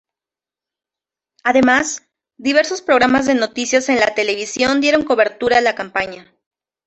Además, diversos programas de noticias en la televisión dieron cobertura a la campaña.